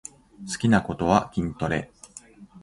好きなことは筋トレ